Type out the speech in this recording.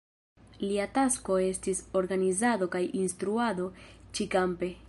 Lia tasko estis organizado kaj instruado ĉi-kampe.